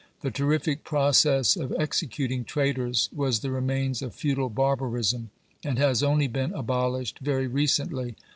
The terrific process of executing traitors was the remains of feudal barbarism, and has only been abolished very recently.